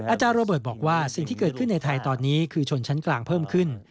อาจารย์โรเบิร์ตบอกว่าสิ่งที่เกิดขึ้นในไทยตอนนี้คือชนชั้นกลางเพิ่มขึ้น